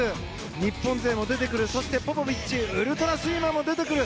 日本勢も出てくるそしてポポビッチウルトラスイマーも出てくる。